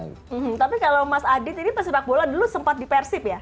hmm tapi kalau mas adit ini pesepak bola dulu sempat di persib ya